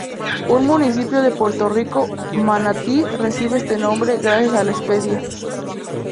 Un municipio de Puerto Rico, Manatí, recibe este nombre gracias a la especie.